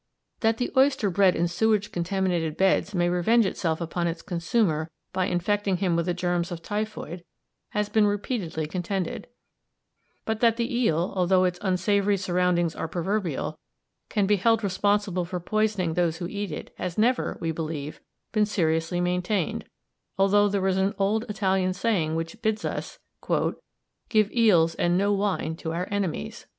That the oyster bred in sewage contaminated beds may revenge itself upon its consumer by infecting him with the germs of typhoid has been repeatedly contended, but that the eel, although its unsavoury surroundings are proverbial, can be held responsible for poisoning those who eat it has never, we believe, been seriously maintained, although there is an old Italian saying which bids us "give eels and no wine to our enemies."